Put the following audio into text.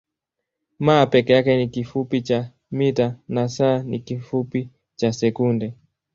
m peke yake ni kifupi cha mita na s ni kifupi cha sekunde.